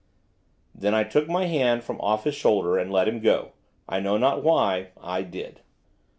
Then I took my hand from off his shoulder, and let him go. I know not why, I did.